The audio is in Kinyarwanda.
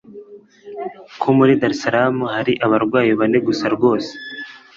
ko muri Dar Salaam hari abarwayi bane gusa rwose